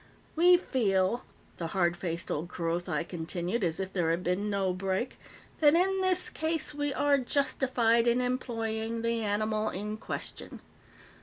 "We feel," the hard faced old Kerothi continued, as if there had been no break, "that, in this case, we are justified in employing the animal in question.